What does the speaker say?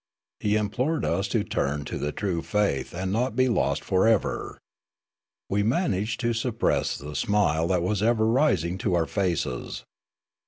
He implored us to turn to the true faith and not be lost for ever. We managed to suppress the smile that was ever rising to our faces.